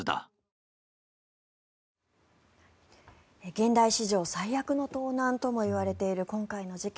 現代史上最悪の盗難ともいわれている今回の事件。